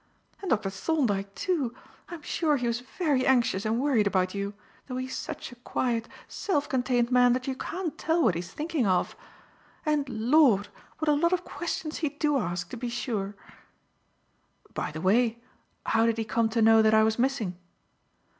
And Dr. Thorndyke, too, I'm sure he was very anxious and worried about you, though he is such a quiet, self contained man that you can't tell what he is thinking of. And Lord; what a lot of questions he do ask, to be sure!" "By the way, how did he come to know that I was missing?"